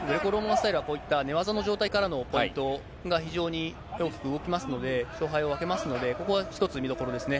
スタイルは、こういった寝技の状態からのポイントが非常に大きく動きますので、勝敗を分けますので、ここは一つ、見どころですね。